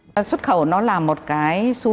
đối thủ trong ngành hàng này nhiều nhiều lắm